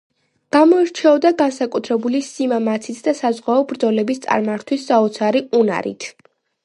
გამოირჩეოდა განსაკუთრებული სიმამაცით და საზღვაო ბრძოლების წარმართვის საოცარი უნარით.